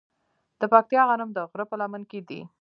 د پکتیا غنم د غره په لمن کې دي.